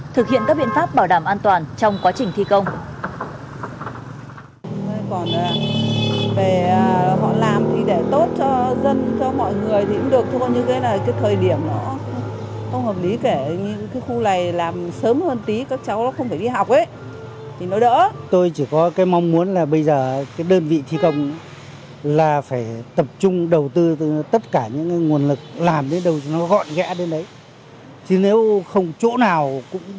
thực hiện các biện pháp bảo đảm an toàn trong quá trình thi công